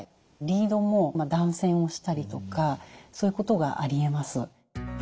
リードも断線をしたりとかそういうことがありえます。